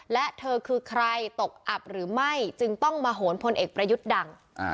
และเธอคือใครตกอับหรือไม่จึงต้องมาโหนพลเอกประยุทธ์ดัง